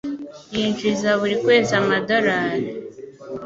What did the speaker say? Yinjiza buri kwezi amadorari .